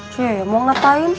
cie mau ngapain